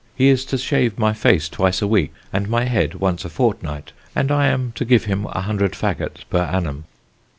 He is to shave my face twice a week, and my head once a fortnight, and I am to give him 100 faggots per annum.